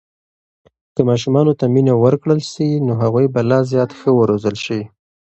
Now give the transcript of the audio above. که ماشومانو ته مینه ورکړل سي، نو هغوی به لا زیات ښه روزل سي.